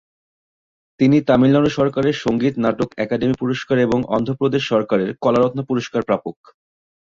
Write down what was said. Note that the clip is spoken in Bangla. তিনি তামিলনাড়ু সরকারের সংগীত নাটক অকাদেমি পুরস্কার এবং অন্ধ্র প্রদেশ সরকারের কলা রত্ন পুরস্কার প্রাপক।